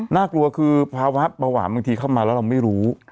น่ากลัวคือภาวะเบาหวานบางทีเข้ามาแล้วเราไม่รู้